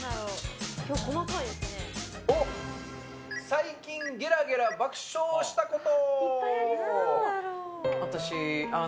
最近ゲラゲラ爆笑したこと。